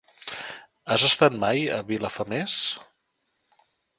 Has estat mai a Vilafamés?